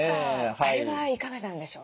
あれはいかがなんでしょう？